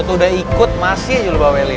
gue tuh udah ikut masih aja lu bawelin